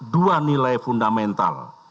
dua nilai fundamental